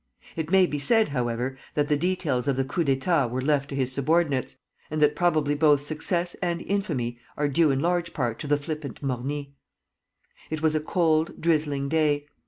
It may be said, however, that the details of the coup d'état were left to his subordinates, and that probably both success and infamy are due in large part to the flippant Morny. It was a cold, drizzling day.